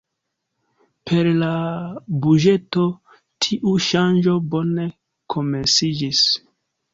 Per la buĝeto, tiu ŝanĝo bone komenciĝis.